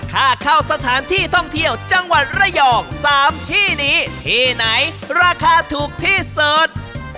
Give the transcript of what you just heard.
ค่าเข้าสถานที่ท่องเที่ยวจังหวัดระยอง๓ที่นี้ที่ไหนราคาถูกที่สุด